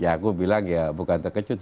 ya aku bilang ya bukan terkejut